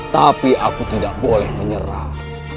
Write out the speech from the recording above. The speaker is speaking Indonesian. tapi aku tidak boleh menyerah